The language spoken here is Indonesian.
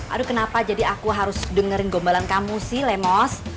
aduh kenapa jadi aku harus dengerin gombalan kamu sih lemos